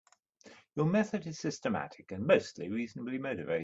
Your method is systematic and mostly reasonably motivated.